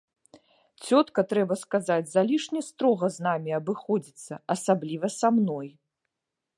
Цётка, трэба сказаць, залішне строга з намі абыходзіцца, асабліва са мной.